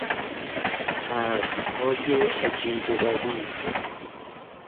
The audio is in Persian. طرحهای عجیب و غریب